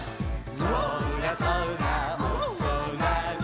「そらそらおそらに」